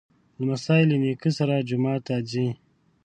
لمسی له نیکه سره جومات ته ځي.